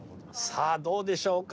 さあどうでしょうか